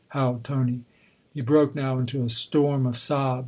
" howled Tony he broke now into a storm of sobs.